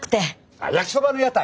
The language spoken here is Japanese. あっ焼きそばの屋台？